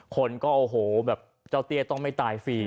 คนก็โอ้โหแบบเจ้าเตี้ยต้องไม่ตายฟรี